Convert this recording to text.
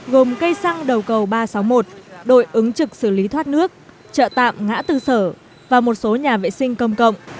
gồm cây xăng đầu cầu ba trăm sáu mươi một đội ứng trực xử lý thoát nước trợ tạm ngã tư sở và một số nhà vệ sinh công cộng